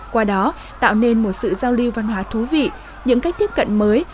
qua đó tạo nên một sự giao lưu văn hóa thú vị những cách tiếp cận mới